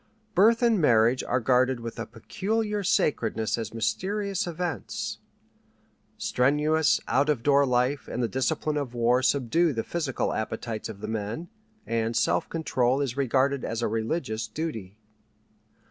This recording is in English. Birth and marriage are guarded with a peculiar sacredness as mysterious events. Strenuous out of door life and the discipline of war subdue the physical appetites of the men, and self control is regarded as a religious duty.